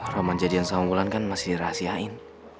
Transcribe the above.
rahman jadian sama wulan kan masih dirahasiain